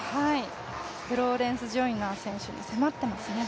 フローレンス・ジョイナー選手に迫っていますね。